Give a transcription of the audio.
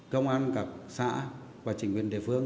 công an cả xã và trình quyền địa phương